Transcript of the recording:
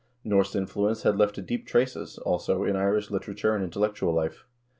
1 Norse influence had left deep traces, also, in Irish liter ature and intellectual life.